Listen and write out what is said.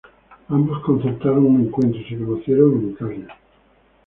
Ambos concertaron un encuentro y se conocieron en Italia.